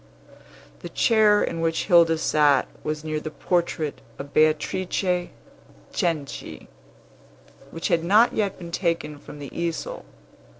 The chair in which Hilda sat was near the portrait of Beatrice Cenci, which had not yet been taken from the easel.